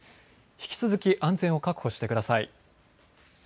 引き続き安全を確保してください。